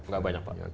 gak banyak pak